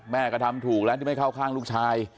แม่ก็ทำถูกแล้วที่ไม่เข้าข้างลูกชาย